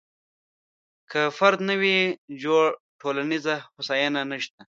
که فرد نه وي جوړ، ټولنیزه هوساینه نشته.